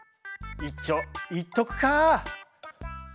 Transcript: いっちょ行っとくカァ。